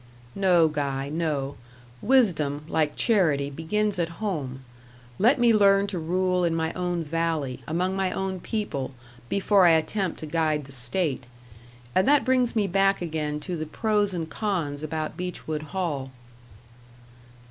"No, Guy, no. Wisdom, like charity, begins at home. Let me learn to rule in my own valley, among my own people, before I attempt to guide the state. And that brings me back again to the pros and cons about Beechwood Hall."